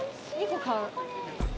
２個買う。